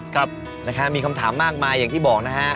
ครับนะฮะมีคำถามมากมายอย่างที่บอกนะฮะ